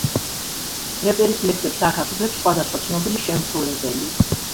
რეპერის ლექსებს აქ ასრულებს სხვადასხვა ცნობილი შემსრულებელი.